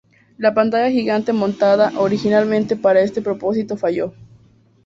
La pantalla gigante montada originalmente para este propósito falló.